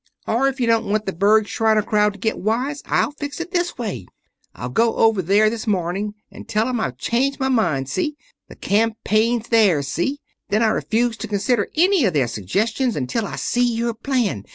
"Or if you don't want the Berg, Shriner crowd to get wise, I'll fix it this way. I'll go over there this morning and tell 'em I've changed my mind, see? The campaign's theirs, see? Then I refuse to consider any of their suggestions until I see your plan.